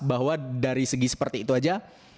bahwa dari segi seperti itu aja